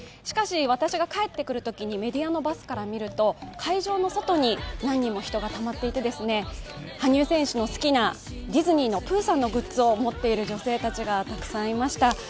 しかし私が帰ってくるときにメディアのバスから見ると、会場の外に何人も人がたまっていて、羽生選手の好きなディズニーのプーさんのグッズを持っている人がたくさんいました。